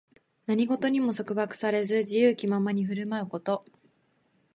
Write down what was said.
何事にも束縛されず、自由気ままに振る舞うこと。